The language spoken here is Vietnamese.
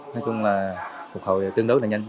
nói chung là cuộc hồi tương đối là nhanh